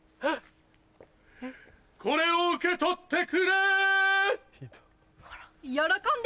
これを受け取ってくれ喜んで！